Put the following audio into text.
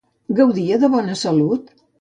Gaudia de bona salut?